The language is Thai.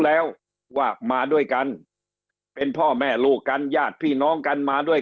แล้วว่ามาด้วยกันเป็นพ่อแม่ลูกกันญาติพี่น้องกันมาด้วย